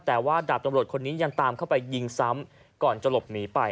แต่ว่าดาบตำรวจคนนี้ยังตามเข้าไปยิงซ้ำก่อนจะหลบหนีไป